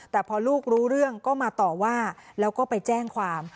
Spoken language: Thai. แต่พอลูกรู้เรื่องก็มาต่อว่าแล้วก็ไปแจ้งความ